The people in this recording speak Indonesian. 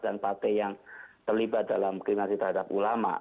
dan partai yang terlibat dalam kriminalisasi terhadap ulama